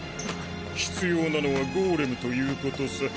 必要なのはゴーレムということさ。